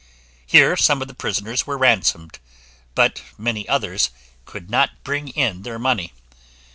Here some of the prisoners were ransomed, but many others could not bring in their money.